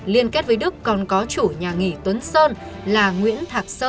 liên kết với đức còn có chủ nhà nghỉ tuấn sơn là nguyễn thạc sơn